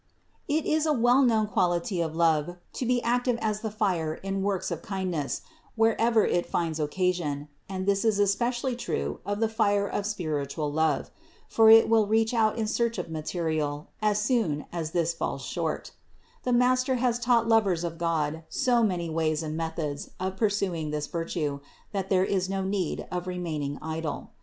It is a well known quality of love to be active as the fire in works of kindness, wherever it finds occasion ; and this is especially true of the fire of spiritual love; for it will reach out in search of material, as soon as this falls short The Master has taught lovers of God so many ways and methods of pursuing virtue, that there is no need of remaining idle.